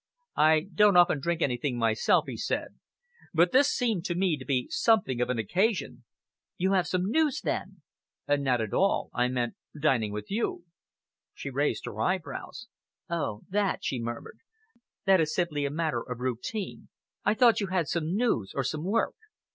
"I don't often drink anything myself," he said, "but this seemed to me to be something of an occasion." "You have some news, then?" "Not at all. I meant dining with you." She raised her eyebrows. "Oh, that?" she murmured. "That is simply a matter of routine. I thought you had some news, or some work."